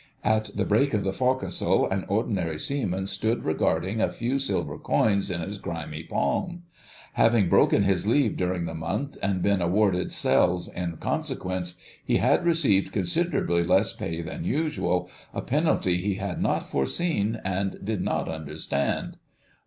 At the break of the forecastle an Ordinary Seaman stood regarding a few silver coins in his grimy palm. Having broken his leave during the month and been awarded cells in consequence, he had received considerably less pay than usual—a penalty he had not foreseen and did not understand.